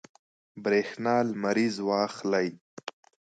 برېښنا لمریز واخلئ.